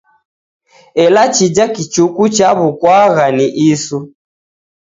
Ela chija kichuku chaw'ukwagha ni isu.